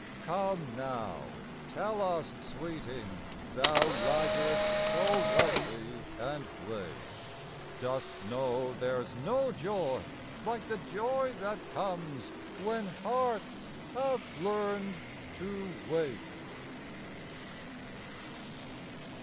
Come now tell us, sweeting, Thou laggard so lovely and late, Dost know there's no joy like the joy that comes When hearts have learned to wait?